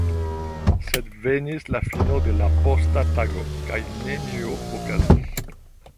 Sed venis la fino de la posta tago, kaj nenio okazis.